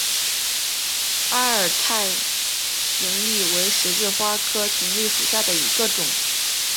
阿尔泰葶苈为十字花科葶苈属下的一个种。